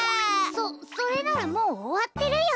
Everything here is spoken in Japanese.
そそれならもうおわってるよ。